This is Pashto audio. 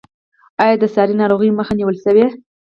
آیا د ساري ناروغیو مخه نیول شوې؟